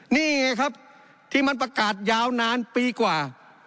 นี่ไงครับที่มันประกาศยาวนานปีกว่า